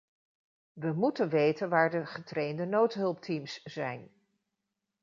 We moeten weten waar de getrainde noodhulpteams zijn.